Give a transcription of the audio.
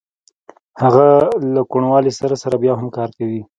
هغه له کوڼوالي سره سره بیا هم کار کوي